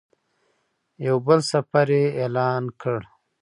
یو بل سفر یې اعلان کړ.